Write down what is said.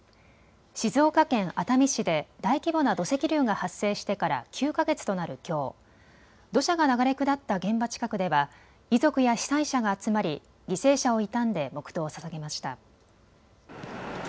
静岡県熱海市で大規模な土石流が発生してから９か月となるきょう、土砂が流れ下った現場近くでは遺族や被災者が集まり犠牲者を悼んで黙とうをささげました。